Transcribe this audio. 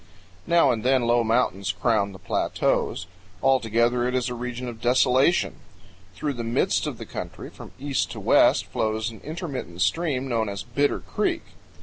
Now and then low mountains crown the plateaus. Altogether it is a region of desolation. Through the midst of the country, from east to west, flows an intermittent stream known as Bitter Creek.